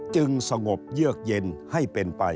จึงสงบเยือกเย็นให้เป็นไป